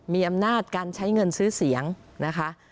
มีอำนาจการใช้เงินซื้อเสียงนะคะ